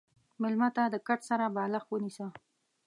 مېلمه ته د کټ سره بالښت ونیسه.